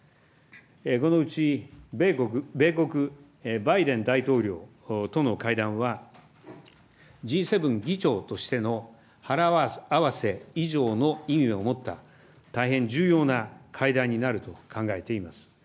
このうち米国、バイデン大統領との会談は、Ｇ７議長としての腹合わせ以上の意味を持った、大変重要な会談になると考えています。